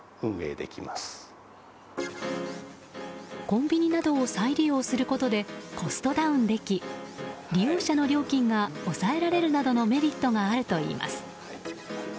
コンビニなどを再利用することでコストダウンでき利用者の料金が抑えられるなどのメリットがあるといいます。